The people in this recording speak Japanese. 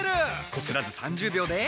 こすらず３０秒で。